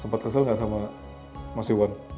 sempat kesel nggak sama mas iwan